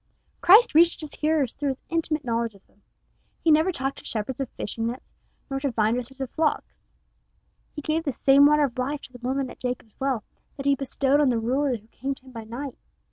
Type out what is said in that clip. Christ reached his hearers through his intimate knowledge of them. He never talked to shepherds of fishing nets, nor to vine dressers of flocks. He gave the same water of life to the woman at Jacob's well that he bestowed on the ruler who came to him by night.